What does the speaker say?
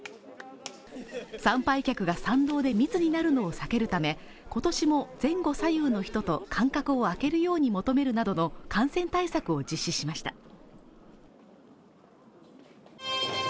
参拝客が参道で密になるのは避けるため、今年も前後左右の人と間隔を空けるように求めるなどの感染対策を実施しました。